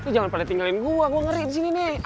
jangan pada tinggalin gua gua ngeri disini nih